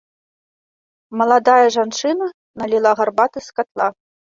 Маладая жанчына наліла гарбаты з катла.